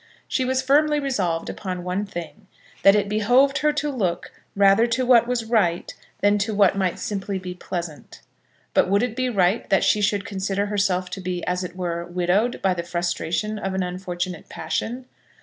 She was firmly resolved upon one thing, that it behoved her to look rather to what was right than to what might simply be pleasant. But would it be right that she should consider herself to be, as it were, widowed by the frustration of an unfortunate passion?